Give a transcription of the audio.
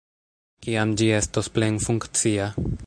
Kiam ĝi estos plenfunkcia?